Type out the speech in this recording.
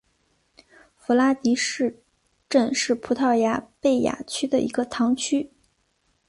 弗拉迪什镇是葡萄牙贝雅区的一个堂区。